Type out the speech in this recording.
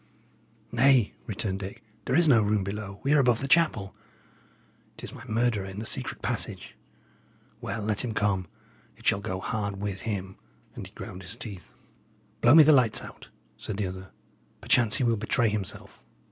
"Nay," returned Dick, "there is no room below; we are above the chapel. It is my murderer in the secret passage. Well, let him come; it shall go hard with him;" and he ground his teeth. "Blow me the lights out," said the other. "Perchance he will betray himself."